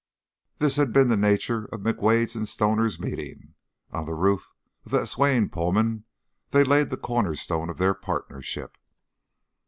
This had been the nature of McWade's and Stoner's meeting; on the roof of that swaying Pullman they laid the corner stone of their partnership.